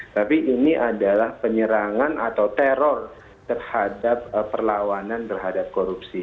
tapi ini adalah penyerangan atau teror terhadap perlawanan terhadap korupsi